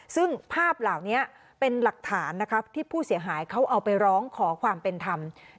ซึ่งภาพเหล่านี้เป็นหลักฐานนะครับที่ผู้เสียหายเขาเอาไปร้องขอความเป็นธรรม